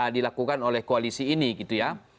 dilakukan oleh koalisi ini gitu ya